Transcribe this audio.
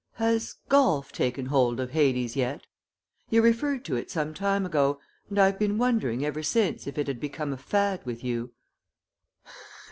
Has golf taken hold of Hades yet? You referred to it some time ago, and I've been wondering ever since if it had become a fad with you."